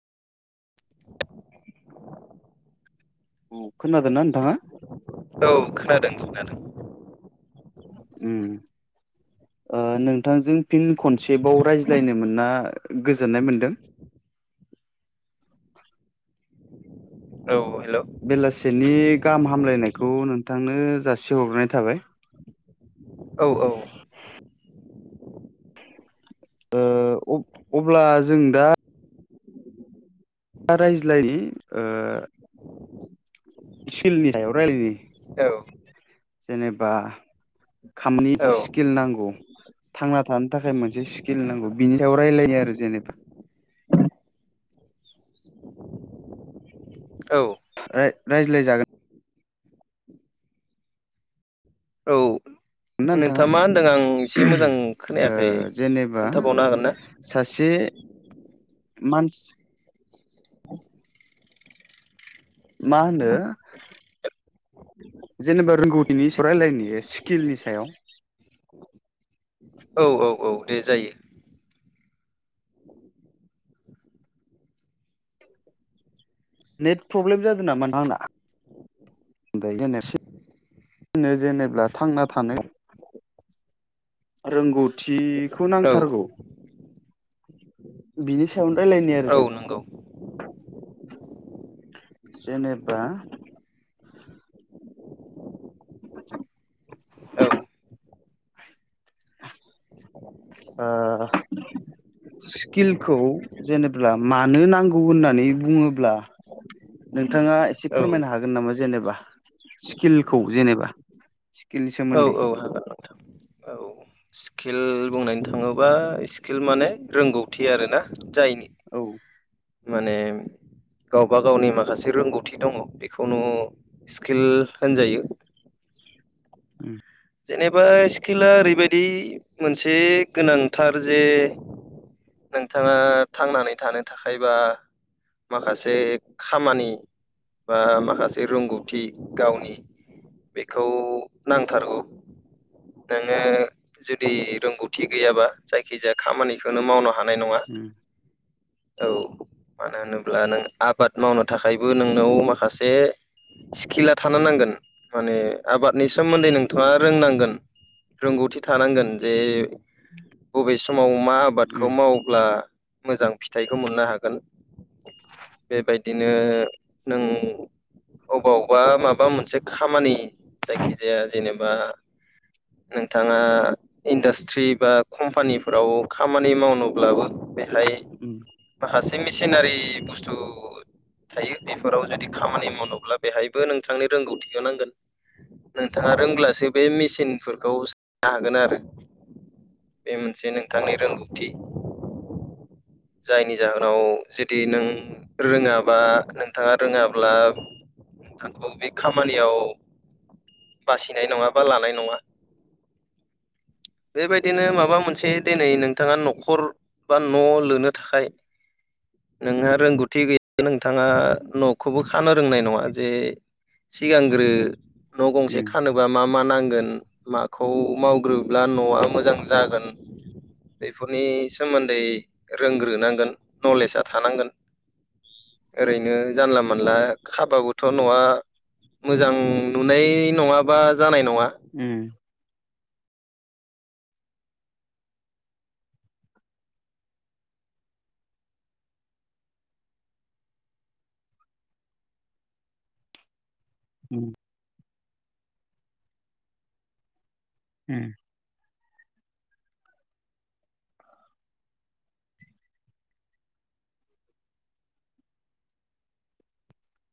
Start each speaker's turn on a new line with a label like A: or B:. A: औ खोनादों ना नोंथाङा
B: औ खोनादों खोनादों
A: अम ओ नोंथांजों फिन खनसेबाव रायज्लायनो मोनना गोजोननाय मोनदों।
B: औ हेलौ
A: बेलासिनि गाहाम हामलायनायखौ नोंथांनो जासिहरनाय थाबाय।
B: औ औ
A: ओ अ-अब्ला जों दा खोला रायज्लायनि ओ सिलनि सायाव रायलायनि
B: औ
A: जेनेबा खामनि स्किल नांगौ थांना थानो थाखाय मोनसे स्किल नांगौ बिनि सायाव रायलायनो आरो जेनेबा
B: औ
A: ओ रायज्लाय जागोन।
B: औ नोंथाङा मा होन्दों आं एसे मोजां
A: ओ
B: खोनायाखै
A: जेनेबा
B: खोन्थाबावनो हागोनना।
A: सासे मान मा होनदो जेनेबा रोंगौथिनि सायाव रायलायनाय स्किलनि सायाव
B: औ औ औ औ दे जायो
A: नेट प्रब्लेम जादों नामा आंना ओमफ्राय ज जेनेबा थांना थानो रोंगौथिखौ
B: औ
A: नांथारगौ बिनि सायावनो राय्लायनो आरो
B: औ
A: जों
B: नंगौ
A: जेनेबा [inaudible]
B: औ
A: अ स्किलखौ जेनेबा मानो नांगौ होननानै बुङोब्ला नोंथाङा एसे
B: औ
A: फोरमायनो हागोन नामा जेनेबा स्किलखौ जेनेबा सिक्लिनि सोमो
B: औ औ हागोन नोंथां स्किल बुं थाङोबा स्किल माने रोंगौथि आरोना जायनि
A: औ
B: माने गावबा गावनि माखासे रोंगौथि दङ बेखौनो स्किल होनजायो
A: उम
B: जेनेबा स्किला ओरैबायदि मोनसे गोनांथार जे नोंथाङा थांनानै थानो थाखायबा माखासे खामानि बा माखासे रोंगौथि गावनि बेखौ नांथारगौ नोङो जुदि रोंगौथि गैयाबा जायखिजाया खामानिखौनो मावनो हानाय नङा
A: उम
B: औ मानो होनोब्ला नों आबाद मावनो थाखायबो नोंनाव माखासे स्किला थानो नांगोन माने आबादनि सोमोन्दै नों थांआ रोंनांगोन रोंगौथि थानांगोन जे बबे समाव मा आबादखौ मावो अब्ला मोजां फिथाइखौ मोननो हागोन बेबायदिनो नों अबावबा माबा मोनसे खामानि जायखिजाया जेनेबा नोंथाङा इन्डास्ट्रि बा कम्पानिफोराव खामानि मावनोब्लाबो बेहाय
A: उम
B: माखासे मेसिनारि बुस्थु थायो बेफोराव जुदि खामानि मावनोब्ला बेहायबो नोंथांनि रोंगौथिखौ नांगोन दा रोंब्लासो बे मेसिनफोरखौ सनो हागोन आरो बे मोनसे नोंथांनि रोंगौथि जायनि जाहोनाव जुदि नों रोङाबा नोंथाङा रोङाब्ला नोंथांखौ बे खामानियाव बासिनाय नङा बा लानाय नङा
A: [inaudible]
B: बेबायदिनो माबा मोनसे दिनै नोंथाङा न'खर बा न' लुनो थाखाय नोंहा रोंगौथि गैय नोंथाङा न'खौबो खानो रोंनाय नङा जे सिगांग्रो न' गंसे
A: उम
B: लुबा मा मा नांगोन माखौ मावग्रोब्ला न'आ मोजां जागोन बेफोरनि सोमोन्दै रोंग्रोनांगोन नलेजआ थानांगोन ओरैनो जानला मोनला खाबागोथ' न'आ मोजां नुनाय नङाबा जानाय नङा
A: उम उम उम